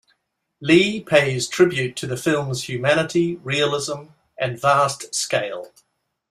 Leigh pays tribute to the film's humanity, realism, and vast scale.